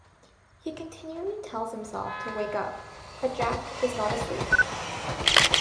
He continually tells himself to wake up, but Jack is not asleep.